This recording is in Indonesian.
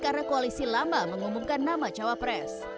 karena koalisi lama mengumumkan nama cawapres